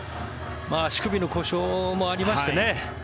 足首の故障もありましてね。